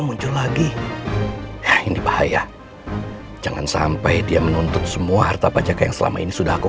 muncul lagi ini bahaya jangan sampai dia menuntut semua harta pajak yang selama ini sudah aku